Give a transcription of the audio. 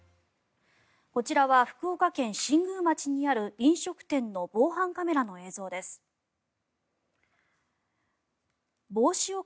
こちらは福岡県新宮町にある飲食店の防犯カメラの映像です。